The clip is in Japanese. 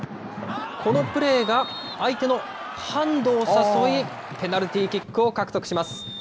このプレーが、相手のハンドを誘い、ペナルティーキックを獲得します。